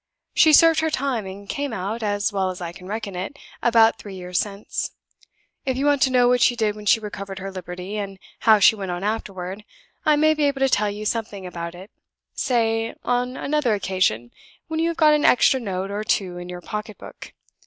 She served her time; and came out, as well as I can reckon it, about three years since. If you want to know what she did when she recovered her liberty, and how she went on afterward, I may be able to tell you something about it say, on another occasion, when you have got an extra note or two in your pocket book.